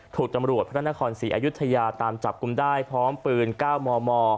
ถูกตำรวจพระนครศรีอายุทยาตามจับกลุ่มได้พร้อมปืน๙มม